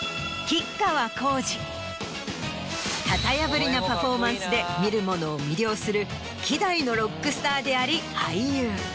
型破りなパフォーマンスで見る者を魅了する希代のロックスターであり俳優。